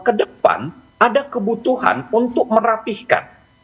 ke depan ada kebutuhan untuk merapihkan